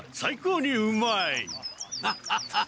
ハハハハ！